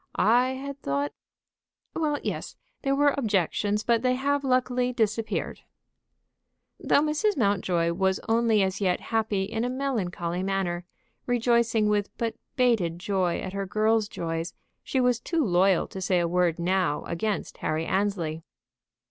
I had thought " "Well, yes; there were objections, but they have luckily disappeared." Though Mrs. Mountjoy was only as yet happy in a melancholy manner, rejoicing with but bated joy at her girl's joys, she was too loyal to say a word now against Harry Annesley.